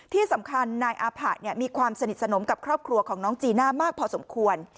ที่สำคัญนายอาผะมีความสนิทสนมกับครอบครัวของน้องจีน่ามากพอสมควร